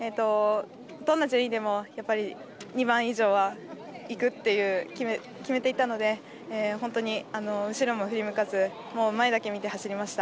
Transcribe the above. どんな順位でも２番以上はいくと決めていたので後ろも振り向かず前だけ見て走りました。